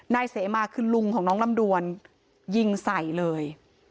นายเสมาคือลุงของน้องลำดวนยิงใส่เลย